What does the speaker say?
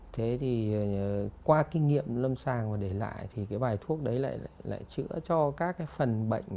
thế thì qua kinh nghiệm lâm sàng và để lại thì cái bài thuốc đấy lại chữa cho các cái phần bệnh